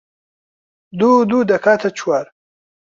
دوو و دوو دەکاتە چوار